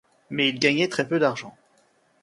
Mais il gagnait très peu d’argent.